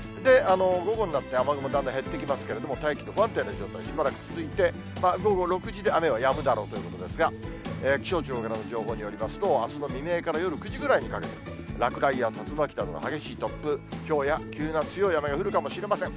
午後になって雨雲だんだん減ってきますけど、大気の不安定な状態しばらく続いて、午後６時で雨はやむだろうということですが、気象庁からの情報によりますと、あすの未明から夜９時くらいにかけて、落雷や竜巻などの激しい突風、ひょうや急な強い雨が降るかもしれません。